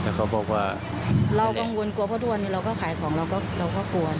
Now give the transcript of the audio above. แต่เขาบอกว่าเรากังวลกลัวเพราะทุกวันนี้เราก็ขายของเราก็กลัว